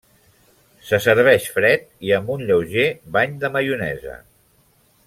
Se serveix fred i amb un lleuger bany de maionesa.